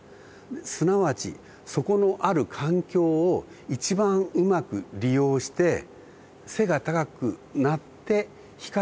すなわちそこのある環境を一番うまく利用して背が高くなって光を奪う。